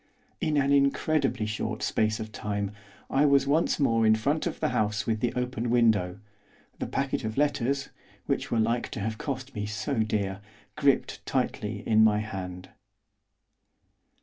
In an incredibly short space of time I was once more in front of the house with the open window, the packet of letters which were like to have cost me so dear! gripped tightly in my hand.